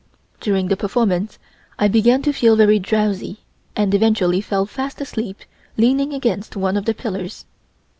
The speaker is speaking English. During the performance I began to feel very drowsy, and eventually fell fast asleep leaning against one of the pillars.